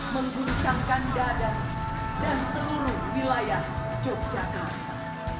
mengguncangkan dadar dan seluruh wilayah jogjakarta